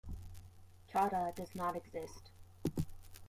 Chada does not exist.